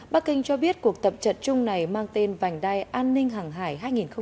bắc kinh cho biết cuộc tập trận chung này mang tên vành đai an ninh hàng hải hai nghìn hai mươi bốn